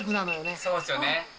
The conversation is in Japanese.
そうっすよね。